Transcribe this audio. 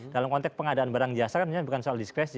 dalam konteks pengadaan barang jasa kan bukan soal diskresi